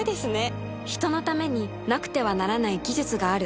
人のためになくてはならない技術がある。